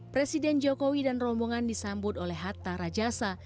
presiden jokowi dan rombongan disambut oleh hatta rajasa